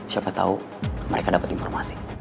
siapa tau mereka dapet informasi